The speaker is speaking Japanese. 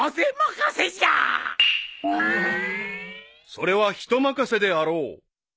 ［それは人任せであろう］